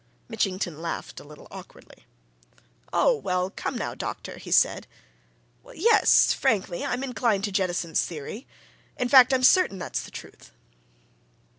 Mitchington laughed a little awkwardly. "Oh, well, come, now, doctor!" he said. "Why, yes frankly, I'm inclined to Jettison's theory in fact, I'm certain that's the truth."